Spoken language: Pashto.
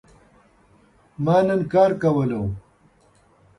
ما نن کار کولو